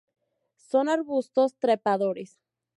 Son arbustos trepadores.